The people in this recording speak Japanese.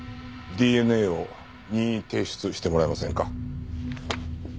ＤＮＡを任意提出してもらえませんか？